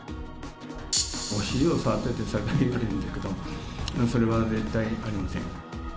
お尻を触ってって、さっきから言われるんだけど、それは絶対ありません。